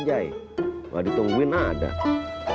jangan terlalu banyak